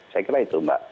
saya kira itu mbak